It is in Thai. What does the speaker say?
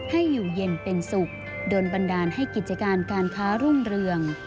ให้อยู่เย็นเป็นสุขโดนบันดาลให้กิจการการค้ารุ่งเรือง